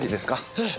ええ。